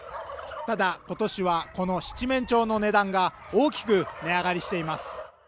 ただ、今年はこの七面鳥の値段が大きく値上がりしています。